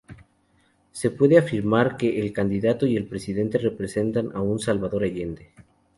Se puede afirmar que el Candidato y el Presidente, representan a Salvador Allende.